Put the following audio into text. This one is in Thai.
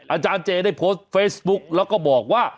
อาจารย์เจได้โพสต์เฟซบุ๊กแล้วก็บอกว่า